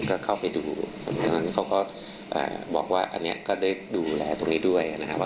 ก็เข้าไปดูสำนักงานเขาก็บอกว่าอันนี้ก็ได้ดูแลตรงนี้ด้วยนะครับ